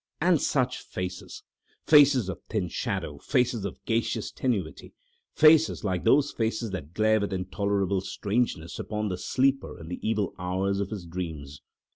And such faces! Faces of thin shadow, faces of gaseous tenuity. Faces like those faces that glare with intolerable strangeness upon the sleeper in the evil hours of his dreams.